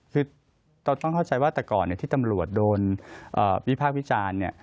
คือต้องเข้าใจว่าแต่ก่อนที่ตำรวจโดนวิพากษ์วิจารณ์เนี่ย